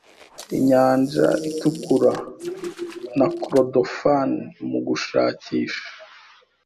Inyanja Itukura na Korodofani mu gushakisha